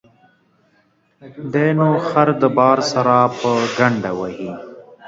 دى نو خر د باره سره په گڼده وهي.